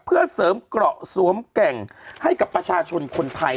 เพื่อเสริมเกราะสวมแก่งให้กับประชาชนคนไทย